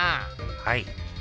はい。